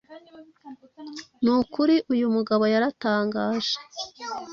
nukuri uyumugabo yaratangaje